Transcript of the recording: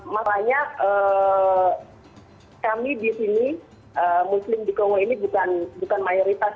makanya kami di sini muslim di kongo ini bukan mayoritas